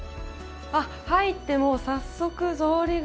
入ってもう早速草履が。